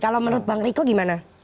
kalau menurut bang riko gimana